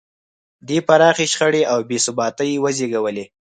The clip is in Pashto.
دې پراخې شخړې او بې ثباتۍ وزېږولې.